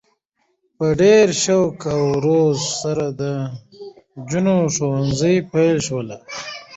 په ډیر شوق او زور سره د نجونو ښونځي پیل شول؛